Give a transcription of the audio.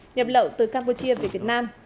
nhập lậu từ campuchia